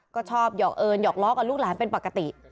ก็ชอบหยอกเอิญหยอกล้อกับลูกหลานเป็นปกติ